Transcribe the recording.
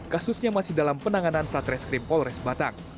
kasusnya masih dalam penanganan satres krimpolres batang